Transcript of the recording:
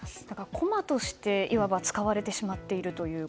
駒としていわば使われてしまっていると。